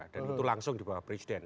dan itu langsung di bawah presiden